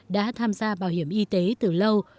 đã tham gia bảo hiểm y tế từ lâu